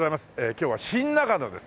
今日は新中野です。